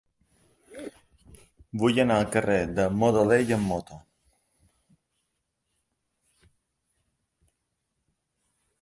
Vull anar al carrer de Modolell amb moto.